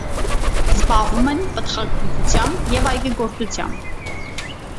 Զբաղվում են պտղաբուծությամբ և այգեգործությամբ։